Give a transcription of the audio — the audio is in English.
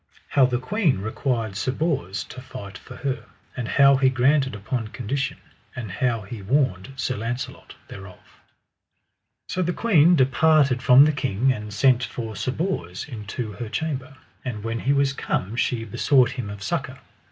How the queen required Sir Bors to fight for her, and how he granted upon condition; and how he warned Sir Launcelot thereof. So the queen departed from the king, and sent for Sir Bors into her chamber. And when he was come she besought him of succour.